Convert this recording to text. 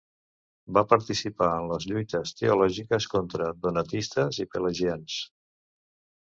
Va participar en les lluites teològiques contra donatistes i pelagians.